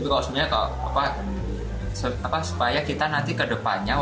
tapi kalau sebenarnya apa apa supaya kita nanti ke depannya